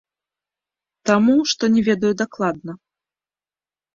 Таму, што не ведаю дакладна.